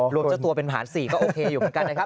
เจ้าตัวเป็นหาร๔ก็โอเคอยู่เหมือนกันนะครับ